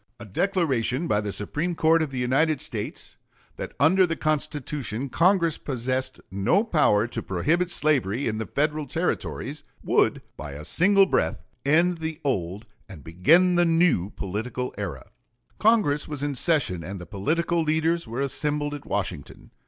A declaration by the Supreme Court of the United States that under the Constitution Congress possessed no power to prohibit slavery in the Federal Territories would by a single breath end the old and begin a new political era. Congress was in session and the political leaders were assembled at Washington.